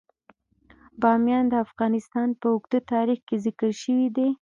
بامیان د افغانستان په اوږده تاریخ کې ذکر شوی دی.